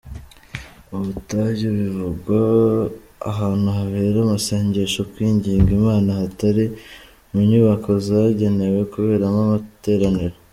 Ubutayu bivuga ahantu habera amasengesho kwinginga Imana hatari mu nyubako zagenewe kuberamo amateraniro.